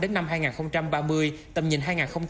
đến năm hai nghìn ba mươi tầm nhìn hai nghìn năm mươi